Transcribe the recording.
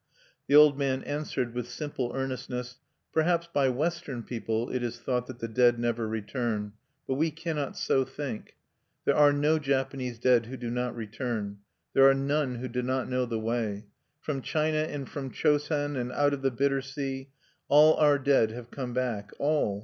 The old man answered, with simple earnestness: "Perhaps by Western people it is thought that the dead never return. But we cannot so think. There are no Japanese dead who do not return. There are none who do not know the way. From China and from Chosen, and out of the bitter sea, all our dead have come back, all!